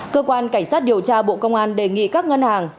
cơ quan cảnh sát điều tra bộ công an đề nghị các ngân hàng